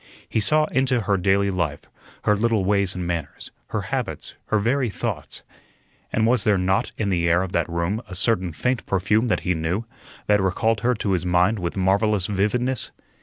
He saw into her daily life, her little ways and manners, her habits, her very thoughts. And was there not in the air of that room a certain faint perfume that he knew, that recalled her to his mind with marvellous vividness?